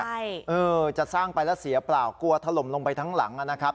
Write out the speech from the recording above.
ใช่เออจะสร้างไปแล้วเสียเปล่ากลัวถล่มลงไปทั้งหลังนะครับ